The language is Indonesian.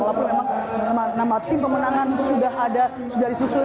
walaupun memang nama tim pemenangan sudah ada sudah disusun